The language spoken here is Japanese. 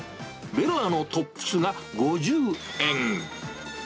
ベロアのトップスが５０円。